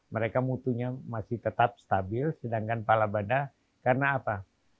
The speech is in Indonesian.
mereka mutunya masih tetap stabil sedangkan palabada karena apa